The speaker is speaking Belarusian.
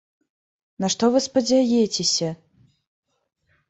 На што вы спадзеяцеся?